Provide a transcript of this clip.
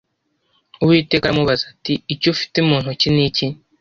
uwiteka aramubaza ati icyo ufite mu ntoki ni iki